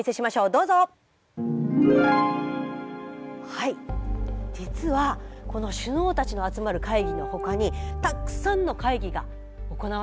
はい実はこの首脳たちの集まる会議のほかにたくさんの会議が行われているんです。